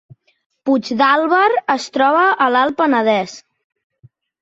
Puigdàlber es troba a l’Alt Penedès